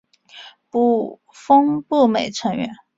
峰步美成员。